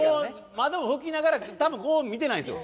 窓を拭きながら多分こう見てないんですよ。